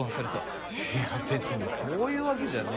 いやべつにそういうわけじゃねぇ。